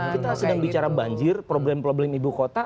kita sedang bicara banjir problem problem ibu kota